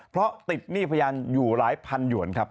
เพราะติดหนี้พยานอยู่หลายพันหยวนครับ